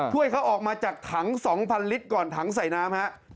ช่วยเขาออกมาจากถัง๒๐๐ลิตรก่อนถังใส่น้ำฮะ